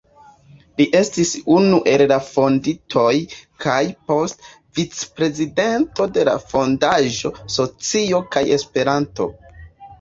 Li estis unu el la fondintoj, kaj poste vicprezidanto de Fondaĵo "Socio kaj Esperanto".